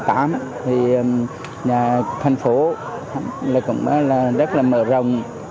thì thành phố cũng rất là mở rồng